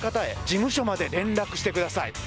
事務所まで連絡してください。